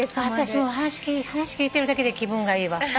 私話聞いてるだけで気分がいいわ。